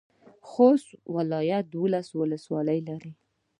خوست ولایت دولس ولسوالۍ لري.